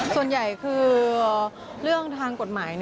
ส่วนใหญ่คือเรื่องทางกฎหมาย